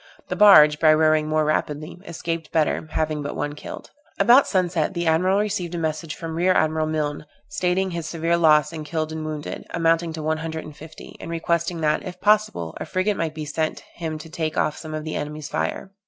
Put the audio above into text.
The barge, by rowing more rapidly, escaped better, having but one killed. About sunset the admiral received a message from rear admiral Milne, stating his severe loss in killed and wounded, amounting to one hundred and fifty, and requesting that, if possible, a frigate might be sent him to take off some of the enemy's fire.